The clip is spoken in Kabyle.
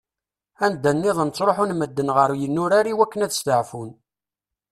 Anda-nniḍen ttruḥun medden ɣer yinurar i wakken ad steɛfun.